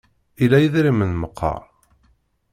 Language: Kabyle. Ila idrimen meqqar?